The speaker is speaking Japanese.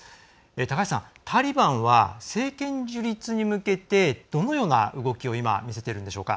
タリバンは政権樹立に向けてどのような動きを今見せているのでしょうか。